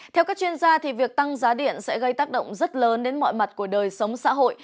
theo các chuyên gia việc tăng giá điện sẽ gây tác động rất lớn đến mọi mặt của đời sống xã hội